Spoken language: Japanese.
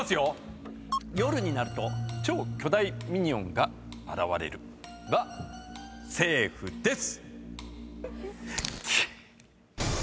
夜になると超巨大ミニオンが現れるはセーフです！